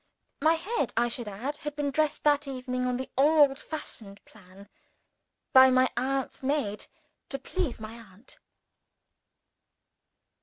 (My head, I should add, had been dressed that evening on the old fashioned plan, by my aunt's maid to please my aunt.)